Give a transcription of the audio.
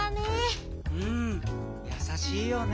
うんやさしいよね。